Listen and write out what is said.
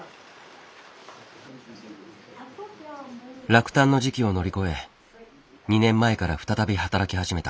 落胆の時期を乗り越え２年前から再び働き始めた。